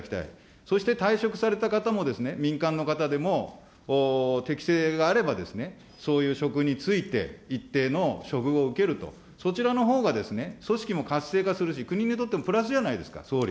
そして退職された方も民間の方でも、適性があればですね、そういう職に就いて、一定の処遇を受けると、そちらのほうが組織も活性化するし、国にとってもプラスじゃないですか、総理。